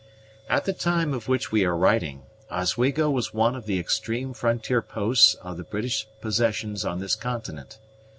At the time of which we are writing, Oswego was one of the extreme frontier posts of the British possessions on this continent.